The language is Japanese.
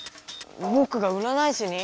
ぼくがうらない師に？